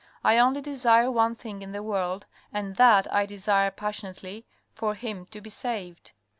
I only desire one thing in the world, and that I desire passionately — for him to be saved.